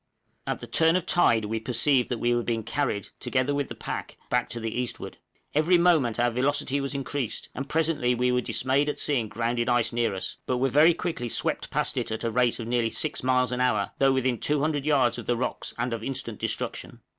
At the turn of tide we perceived that we were being carried, together with the pack, back to the eastward; every moment our velocity was increased, and presently we were dismayed at seeing grounded ice near us, but were very quickly swept past it at the rate of nearly six miles an hour, though within 200 yards of the rocks, and of instant destruction!